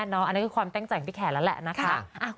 อันนี้คือความตั้งใจของพี่แขกแล้วแหละนะคะ